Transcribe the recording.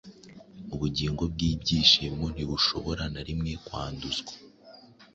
Ubugingo bwibyishimo ntibushobora na rimwe kwanduzwa.